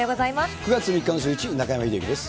９月３日のシューイチ、中山秀征です。